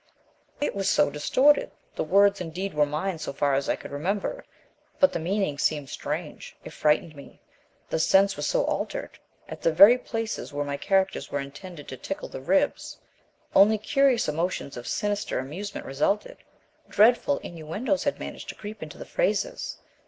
"It was so distorted. The words, indeed, were mine so far as I could remember, but the meanings seemed strange. It frightened me. The sense was so altered. At the very places where my characters were intended to tickle the ribs, only curious emotions of sinister amusement resulted. Dreadful innuendoes had managed to creep into the phrases.